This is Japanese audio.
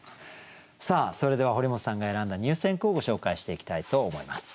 さあそれでは堀本さんが選んだ入選句をご紹介していきたいと思います。